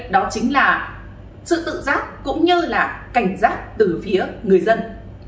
đó chính là sự tự giác cũng như là cảnh giác từ phía người dân